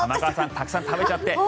たくさん食べちゃって。